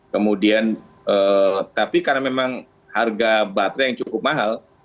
kemudian tapi karena memang harga baterai yang cukup mahal